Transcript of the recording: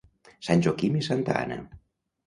Sant Joaquim i santa Anna.